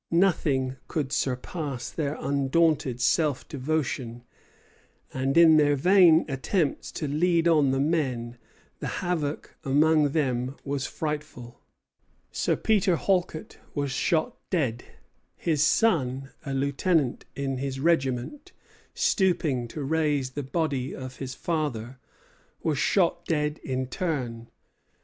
Nothing could surpass their undaunted self devotion; and in their vain attempts to lead on the men, the havoc among them was frightful. Sir Peter Halket was shot dead. His son, a lieutenant in his regiment, stooping to raise the body of his father, was shot dead in turn.